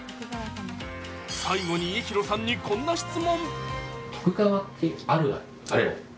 最後に家広さんにこんな質問。